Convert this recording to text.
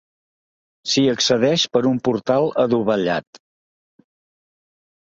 S'hi accedeix per un portal adovellat.